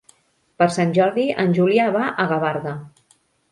Per Sant Jordi en Julià va a Gavarda.